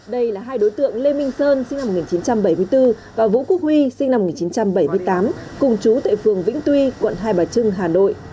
đây là hai đối tượng lê minh sơn sinh năm một nghìn chín trăm bảy mươi bốn và vũ quốc huy sinh năm một nghìn chín trăm bảy mươi tám cùng chú tệ phường vĩnh tuy quận hai bà trưng hà nội